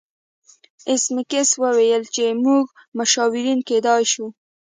ایس میکس وویل چې موږ مشاورین کیدای شو